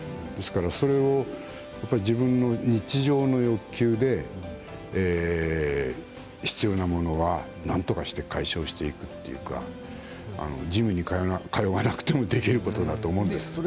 ですから、それを自分の日常の欲求で必要なものはなんとかして解消していくというかジムに通わなくてもできることだと思うんです。